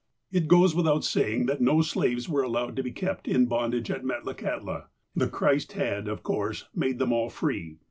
It goes without saying, that no slaves were allowed to be kept in bondage at Metlakahtla. The Christ had, of course, made them all free.